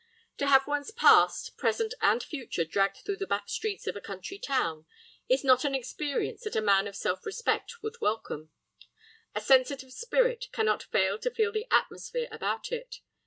To have one's past, present, and future dragged through the back streets of a country town is not an experience that a man of self respect would welcome. A sensitive spirit cannot fail to feel the atmosphere about it.